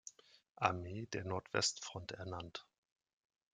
Armee der Nordwestfront ernannt.